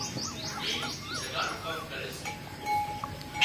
اي جڳا نُون ڪام ڪري سي